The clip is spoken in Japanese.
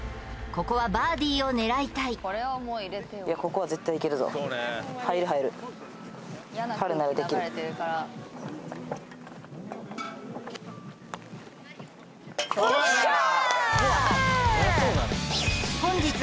ここはバーディーを狙いたいよっしゃー！